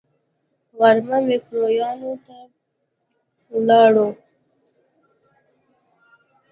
غرمه ميکرويانو ته ولاړو.